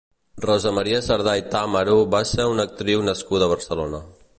Rosa Maria Sardà i Tàmaro va ser una actriu nascuda a Barcelona.